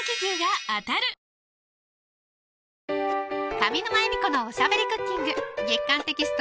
上沼恵美子のおしゃべりクッキング月刊テキスト